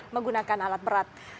menggunakan alat berat